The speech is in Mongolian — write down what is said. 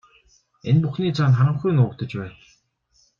Энэ бүхний цаана харанхуй нуугдаж байна.